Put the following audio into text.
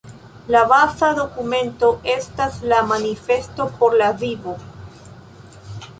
La baza dokumento estas la “Manifesto por la vivo“.